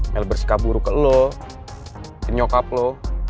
mel bersikap buruk ke lo ke nyokap lo